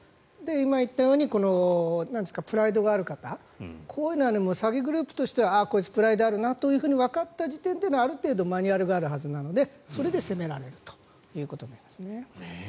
今言ったようにプライドがある方こういうのは詐欺グループとしてはこいつ、プライドがあるなとわかった時点で、ある程度マニュアルがあるはずなのでそれで攻められるということになりますね。